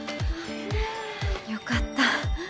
よかった。